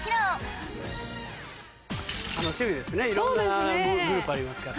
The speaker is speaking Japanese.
いろんなグループありますから。